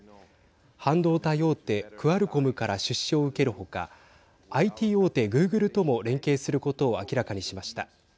半導体大手クアルコムから出資を受ける他ＩＴ大手グーグルとも連携することを明らかにしました。